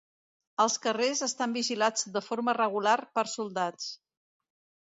Els carrers estan vigilats de forma regular per soldats.